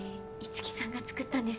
樹さんが作ったんです。